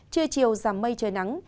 trưa chiều giảm mây trời nắng